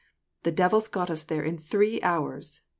The devils got us there in three hours.